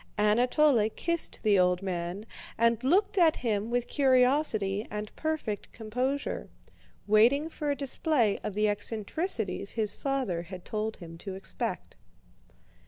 Anatole kissed the old man, and looked at him with curiosity and perfect composure, waiting for a display of the eccentricities his father had told him to expect.